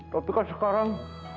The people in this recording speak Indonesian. tapi kan sekarang